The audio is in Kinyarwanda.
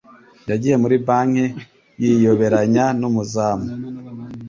Yagiye muri banki yiyoberanya n'umuzamu.